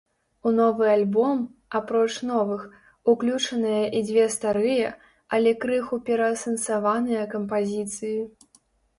У новы альбом, апроч новых, уключаныя і дзве старыя, але крыху пераасэнсаваныя кампазіцыі.